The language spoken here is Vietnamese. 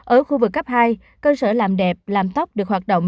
ở khu vực cấp hai cơ sở làm đẹp làm tóc được hoạt động